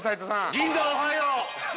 ◆銀座おはよう。